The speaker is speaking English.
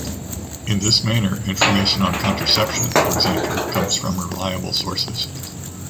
In this manner, information on contraception, for example, comes from reliable sources.